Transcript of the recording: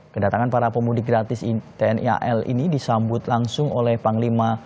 kedatangan para pemudik gratis tni al ini disambut langsung oleh panglima